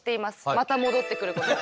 また戻ってくることを。